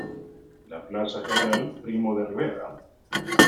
La plaza general Primo de Rivera.